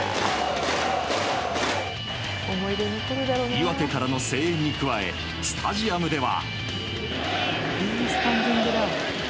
岩手からの声援に加えスタジアムでは。